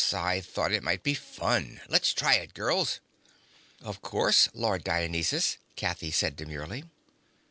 I thought it might be fun. Let's try it, girls." "Of course, Lord Dionysus," Kathy said demurely.